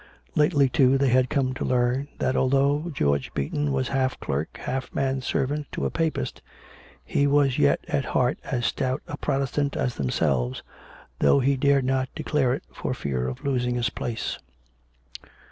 Lately, too, they had come to learn, that although George Beaton was half clerk, half man servant, to a Papist, he was yet at heart as stout a Protestant as themselves, though he dared not declare it for fear of losing his place.